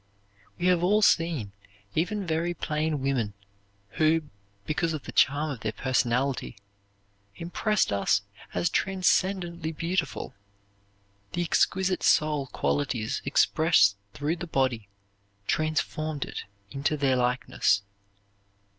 We have all seen even very plain women who, because of the charm of their personality, impressed us as transcendently beautiful. The exquisite soul qualities expressed through the body transformed it into their likeness.